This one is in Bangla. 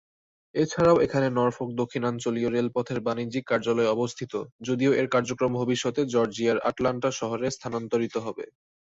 এছাড়াও এখানে নরফোক দক্ষিণাঞ্চলীয় রেলপথের বাণিজ্যিক কার্যালয় অবস্থিত, যদিও এর কার্যক্রম ভবিষ্যতে জর্জিয়ার আটলান্টা শহরে স্থানান্তরিত হবে।